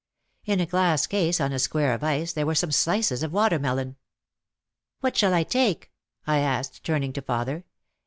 In a glass case on a square of ice there were some slices of watermelon. "What shall I take ?" I asked, turning to father.